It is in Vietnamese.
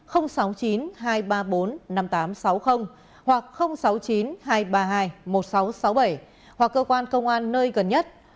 sáu mươi chín hai trăm ba mươi bốn năm nghìn tám trăm sáu mươi hoặc sáu mươi chín hai trăm ba mươi hai một nghìn sáu trăm sáu mươi bảy hoặc cơ quan công an nơi gần nhất